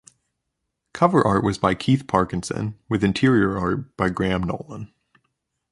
Cover art was by Keith Parkinson, with interior art by Graham Nolan.